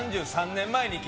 ３３年前？